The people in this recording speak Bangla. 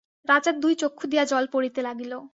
রাজার দুই চক্ষু দিয়া জল পড়িতে লাগিল।